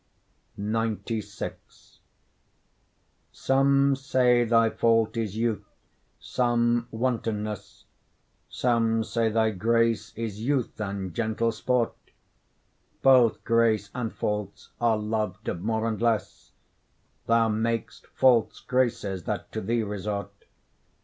XCVI Some say thy fault is youth, some wantonness; Some say thy grace is youth and gentle sport; Both grace and faults are lov'd of more and less: Thou mak'st faults graces that to thee resort.